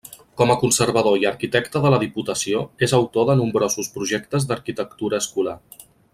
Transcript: Com a conservador i arquitecte de la Diputació és autor de nombrosos projectes d'arquitectura escolar.